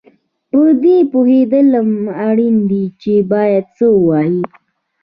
په دې پوهېدل هم اړین دي چې باید څه ووایې